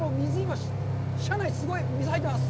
車内にすごい水が入っています。